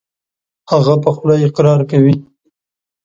هغه په خوله اقرار کوي .